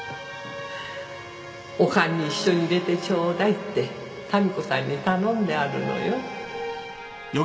お棺に一緒に入れてちょうだいって民子さんに頼んであるのよ